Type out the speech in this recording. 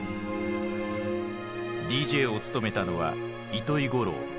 ＤＪを務めたのは糸居五郎。